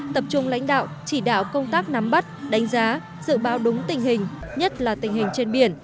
tập trung lãnh đạo chỉ đạo công tác nắm bắt đánh giá dự báo đúng tình hình nhất là tình hình trên biển